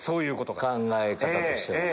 考え方として。